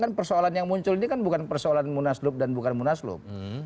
kan persoalan yang muncul ini bukan persoalan munas lup dan bukan munas lup